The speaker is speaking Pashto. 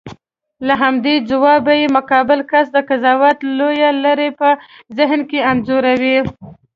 له همدې ځوابه یې مقابل کس د قضاوت لویه لړۍ په ذهن کې انځوروي.